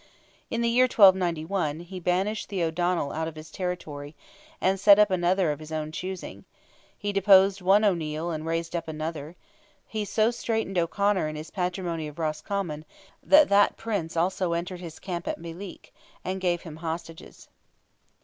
In the year 1291, he banished the O'Donnell out of his territory, and set up another of his own choosing; he deposed one O'Neil and raised up another; he so straitened O'Conor in his patrimony of Roscommon, that that Prince also entered his camp at Meelick, and gave him hostages.